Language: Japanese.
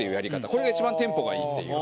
これが一番テンポがいいっていう。